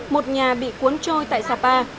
một nhà bị cuốn trôi tại sapa